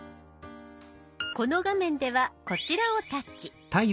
この画面ではこちらをタッチ。